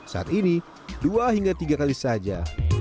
saat ini dua hingga tiga kali saja